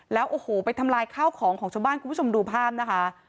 แล้วโอ้โหไปทำลายข้าวของของชาวบ้านคุณผู้ชมดูภาพนะคะ